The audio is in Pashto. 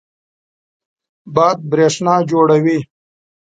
باد برېښنا جوړوي.